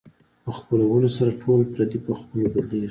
په خپلولو سره ټول پردي په خپلو بدلېږي.